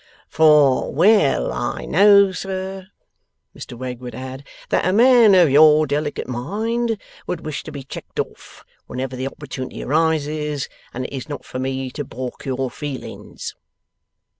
'For well I know, sir,' Mr Wegg would add, 'that a man of your delicate mind would wish to be checked off whenever the opportunity arises, and it is not for me to baulk your feelings.